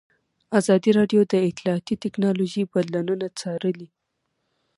ازادي راډیو د اطلاعاتی تکنالوژي بدلونونه څارلي.